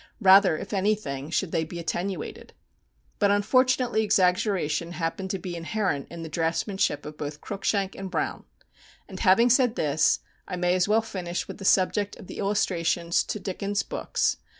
Rather, if anything, should they be attenuated. But unfortunately exaggeration happened to be inherent in the draftsmanship of both Cruikshank and Browne. And, having said this, I may as well finish with the subject of the illustrations to Dickens' books.